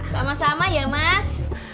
sama sama ya mas